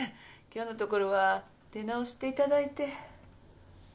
今日のところは出直していただいて。